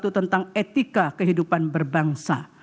tentang etika kehidupan berbangsa